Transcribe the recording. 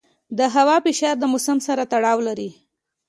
د هوا فشار د موسم سره تړاو لري.